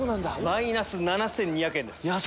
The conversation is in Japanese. マイナス７２００円です。